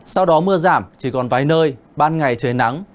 sau đó mưa giảm chỉ còn vài nơi ban ngày trời nắng